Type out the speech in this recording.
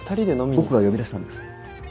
僕が呼び出したんです。